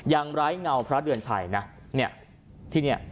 อย่างไร้เงาพระเดือนชัย